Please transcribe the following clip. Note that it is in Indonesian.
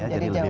jadi lebih baik